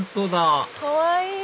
かわいい！